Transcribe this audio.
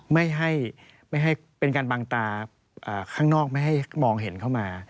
ไม่ให้เป็นการบังตาข้างนอกไม่ให้มองเห็นเข้ามา